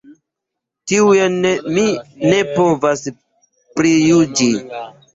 Tiujn mi ne povas prijuĝi.